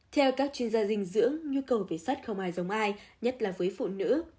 theo các chuyên gia dinh dưỡng nhu cầu về sắt không ai giống ai nhất là với phụ nữ